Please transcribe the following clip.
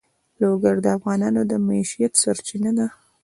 لوگر د افغانانو د معیشت سرچینه ده.